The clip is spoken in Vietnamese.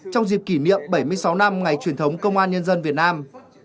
trong dịp kỷ niệm bảy mươi sáu năm ngày truyền thống công an nhân dân việt nam